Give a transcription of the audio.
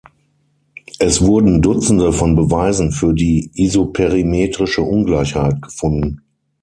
Es wurden Dutzende von Beweisen für die isoperimetrische Ungleichheit gefunden.